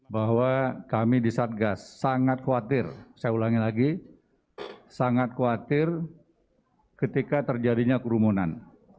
bahwa kami di satgas sangat khawatir saya ulangi lagi sangat khawatir ketika terjadinya kerumunan